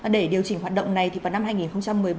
để điều chỉnh hoạt động này thì vào năm hai nghìn một mươi bốn